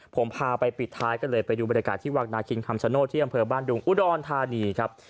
ผมพาไปปิดท้ายกันเลยไปดูบริการที่วักนาคินคำสะโน้ดที่บ้านดุงอุดออนธานีครับ